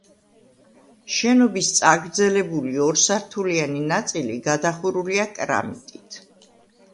შენობის წაგრძელებული ორსართულიანი ნაწილი გადახურულია კრამიტით.